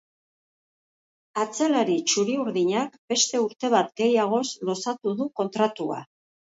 Atzelari txuri-urdinak beste urte bat gehiagoz luzatu du kontratua.